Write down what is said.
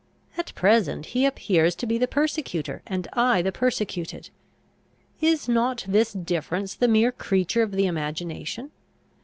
At present he appears to be the persecutor, and I the persecuted: is not this difference the mere creature of the imagination?